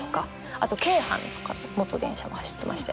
あと京阪とかの元電車も走ってまして。